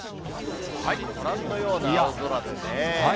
ご覧のような青空でね。